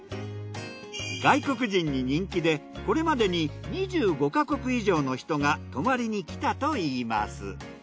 外国人に人気でこれまでに２５か国以上の人が泊まりに来たといいます。